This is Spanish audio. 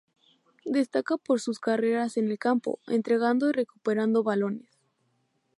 Destaca por sus carreras en el campo, entregando y recuperando balones.